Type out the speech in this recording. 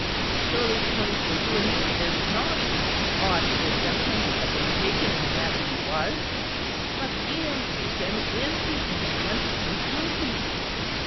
Surely the point for you and me is not, ought this gentleman to have been taken in the manner he was; but being taken, is he innocent or guilty?"